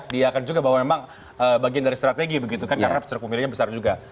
diiakan juga bahwa memang bagian dari strategi begitu kan karena cerukup milenialnya besar juga